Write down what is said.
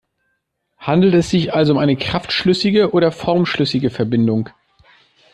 Handelt es sich also um eine kraftschlüssige oder formschlüssige Verbindung?